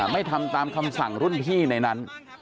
ไม่ทำตามคำสั่งรุ่นพี่ในนั้น